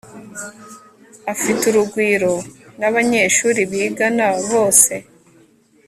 afite urugwiro nabanyeshuri bigana bose